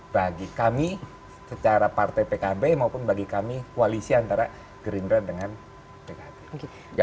bagi kami secara partai pkb maupun bagi kami koalisi antara gerindra dengan pkb